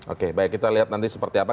oke baik kita lihat nanti seperti apa